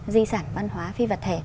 di sản văn hóa phi vật thể